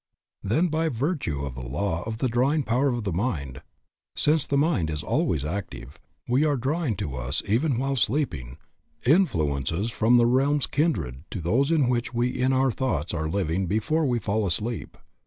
Then by virtue of the law of the drawing power of mind, since the mind is always active, we are drawing to us even while sleeping, influences from the realms kindred to those in which we in our thoughts are living before we fall asleep.